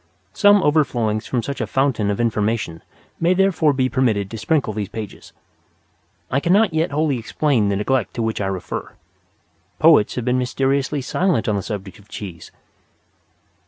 Some overflowings from such a fountain of information may therefore be permitted to springle these pages. I cannot yet wholly explain the neglect to which I refer. Poets have been mysteriously silent on the subject of cheese.